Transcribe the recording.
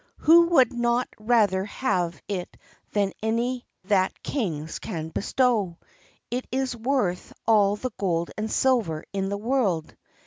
Who would not rather have it than any that kings can bestow? It is worth all the gold and silver in the world.